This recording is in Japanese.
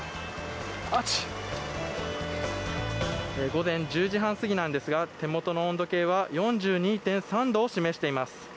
午前１０時半過ぎなんですが手元の温度計は４２．３度を示しています。